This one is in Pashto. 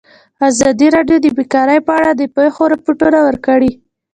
ازادي راډیو د بیکاري په اړه د پېښو رپوټونه ورکړي.